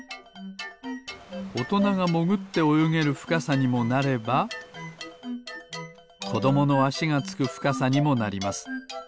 おとながもぐっておよげるふかさにもなればこどものあしがつくふかさにもなります。